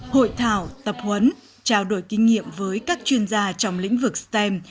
hội thảo tập huấn trao đổi kinh nghiệm với các chuyên gia trong lĩnh vực stem